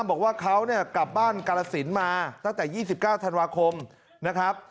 บอกว่าเขาเนี่ยกลับบ้านกรสินมาตั้งแต่๒๙ธันวาคมนะครับ